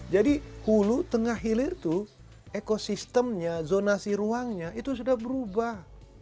jadi hulu tengah hilir itu ekosistemnya zonasi ruangnya itu sudah berubah